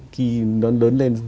khi nó lớn lên